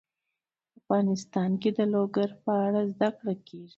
افغانستان کې د لوگر په اړه زده کړه کېږي.